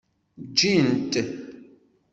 Jjint.